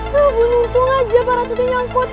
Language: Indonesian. bu buntung aja para layang nyangkut